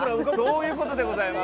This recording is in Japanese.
そういう事でございます。